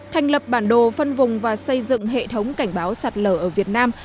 thành lập bản đồ phân vùng và xây dựng hệ thống cảnh báo sạt lở ở việt nam